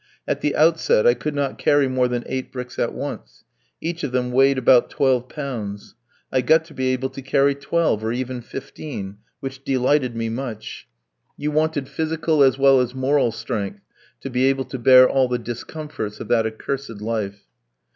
At the outset I could not carry more than eight bricks at once; each of them weighed about twelve pounds. I got to be able to carry twelve, or even fifteen, which delighted me much. You wanted physical as well as moral strength to be able to bear all the discomforts of that accursed life.